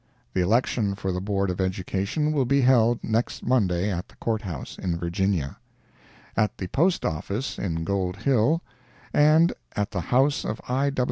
The election for the Board of Education will be held next Monday, at the Court House, in Virginia; at the Postoffice, in Gold Hill, and at the house of I.